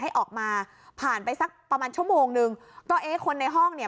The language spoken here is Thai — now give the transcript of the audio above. ให้ออกมาผ่านไปสักประมาณชั่วโมงนึงก็เอ๊ะคนในห้องเนี่ย